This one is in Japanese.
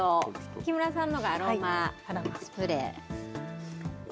木村さんのがアロマスプレー。